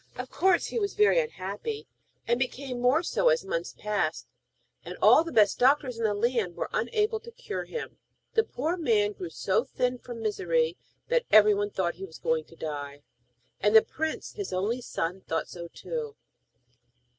Of course he was very unhappy, and became more so as months passed, and all the best doctors in the land were unable to cure him. The poor man grew so thin from misery that everyone thought he was going to die, and the prince, his only son, thought so too.